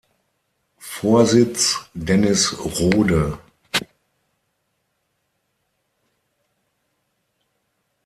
Vorsitz: Dennis Rohde